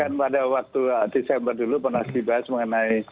kan pada waktu desember dulu pernah dibahas mengenai